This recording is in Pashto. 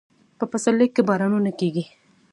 په پسرلي کې بارانونه کیږي